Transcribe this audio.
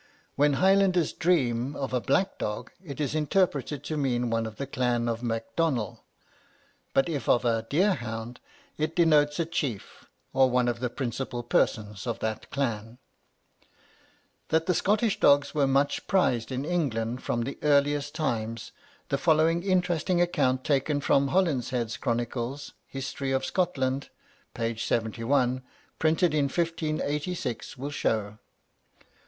"When the Highlanders dream of a black dog, it is interpreted to mean one of the clan of Macdonell; but if of a deer hound, it denotes a chief, or one of the principal persons of that clan." That the Scottish dogs were much prized in England from the earliest times, the following interesting account, taken from Holinshed's Chronicles, 'Historie of Scotland,' p. 71, printed in 1586, will show.